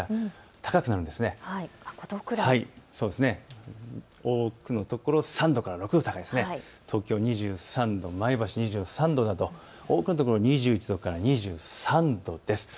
多くのところ、３度から６度高い、東京２３度、前橋２３度など多くの所、２１から２３度です。